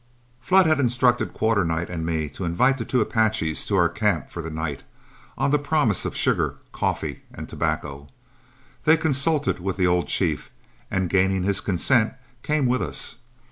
Flood had instructed Quarternight and me to invite the two Apaches to our camp for the night, on the promise of sugar, coffee, and tobacco. They consulted with the old chief, and gaining his consent came with us.